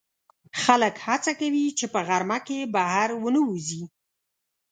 خلک هڅه کوي چې په غرمه کې بهر ونه وځي